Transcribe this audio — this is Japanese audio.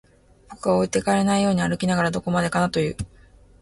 僕は置いてかれないように歩きながら、どこまでかなと言う